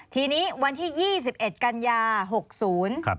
ทีนี้วันที่๒๑กันยา๖๐